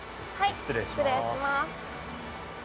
失礼します。